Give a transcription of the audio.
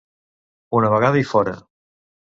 Una vegada i fora.